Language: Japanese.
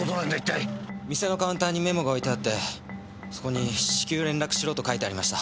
店のカウンターにメモが置いてあってそこに至急連絡しろと書いてありました。